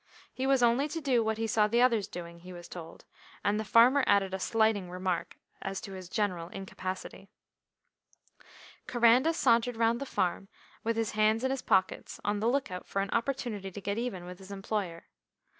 He was only to do what he saw the others doing, he was told, and the farmer added a slighting remark as to his general incapacity. Coranda sauntered round the farm with his hands in his pockets on the look out for an opportunity to get even with his employer.